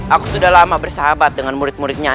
aku sudah lama bersahabat dengan murid murid nyari